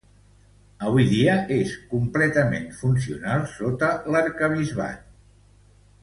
Avui dia és completament funcional sota l'Arquebisbat Castrense.